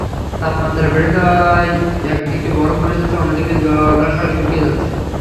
তাপমাত্রা বেড়ে যাওয়ায় একদিকে বরফ গলে যাচ্ছে, অন্যদিকে জলাশয় শুকিয়ে যাচ্ছে।